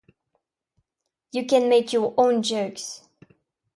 You Can Make Your Own Jokes.